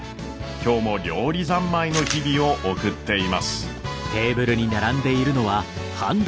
今日も料理三昧の日々を送っています。